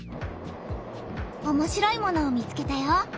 おもしろいものを見つけたよ。